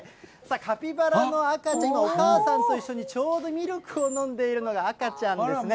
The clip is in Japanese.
カピバラの赤ちゃん、今、お母さんと一緒にちょうどミルクを飲んでいるのが赤ちゃんですね。